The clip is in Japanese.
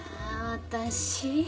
私？